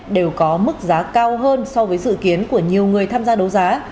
đều có mức giá cao hơn so với dự kiến của nhiều người tham gia đấu giá